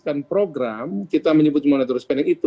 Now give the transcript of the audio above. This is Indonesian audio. dan program kita menyebutkan mandatory spending itu